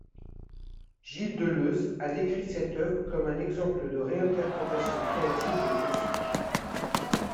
Gilles Deleuze a décrit cette œuvre comme un exemple de réinterprétation créative des classiques.